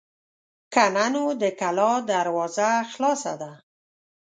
که نه نو د کلا دروازه خلاصه ده.